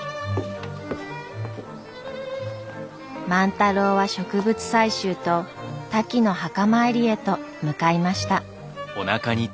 万太郎は植物採集とタキの墓参りへと向かいました。